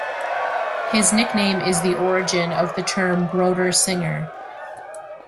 His nickname is the origin of the term "Broder singer".